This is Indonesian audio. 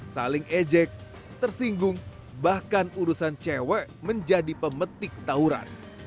saling ejek tersinggung bahkan urusan cewek menjadi pemetik tauran